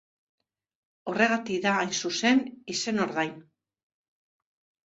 Horregatik da, hain zuzen, izenordain.